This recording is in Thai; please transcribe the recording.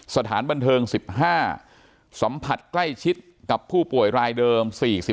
สถานบันเทิง๑๕สัมผัสใกล้ชิดกับผู้ป่วยรายเดิม๔๕